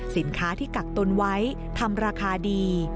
สินค้าที่กักตนไว้ทำราคาดี